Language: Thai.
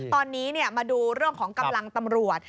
ตอนนี้มาดูเรื่องของกำลังตำรวจ